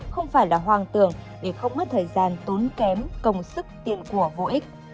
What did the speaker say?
không phải là hoang tường để không mất thời gian tốn kém công sức tiền của vô ích